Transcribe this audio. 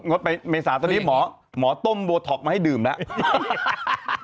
ดไปเมษาตอนนี้หมอต้มโบท็อกมาให้ดื่มแล้ว